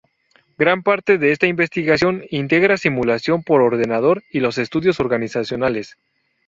Gran parte de esta investigación integra simulación por ordenador y los estudios organizacionales.